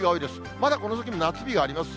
まだこの先も夏日があります。